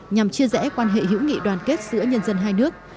nhằm chia rẽ quan hệ hữu nghị đoàn kết giữa nhân dân hai nước